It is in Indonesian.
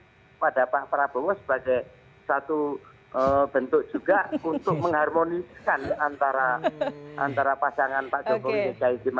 kepada pak prabowo sebagai satu bentuk juga untuk mengharmoniskan antara pasangan pak jokowi dan caimin